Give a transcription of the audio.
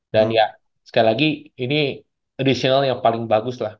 dan ya sekali lagi ini additional yang paling bagus lah